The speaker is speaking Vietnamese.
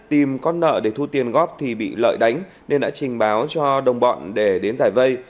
tìm con nợ để thu tiền góp thì bị lợi đánh nên đã trình báo cho đồng bọn để đến giải vây